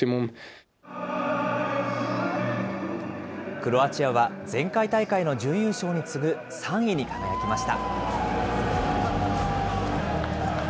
クロアチアは前回大会の準優勝に次ぐ３位に輝きました。